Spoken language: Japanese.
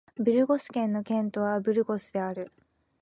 ブルゴス県の県都はブルゴスである